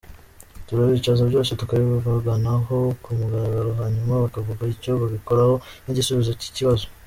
Turabicaza byose tukabivuganaho ku mugaragaro hanyuma bakavuga icyo babikoraho nk’igisubizo cy’ikibazo.